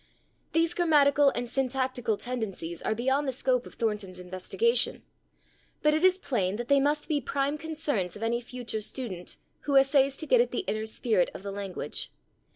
These grammatical and syntactical tendencies are beyond the scope of Thornton's investigation, but it is plain that they must be prime concerns of any future student who essays to get at the inner spirit of the language.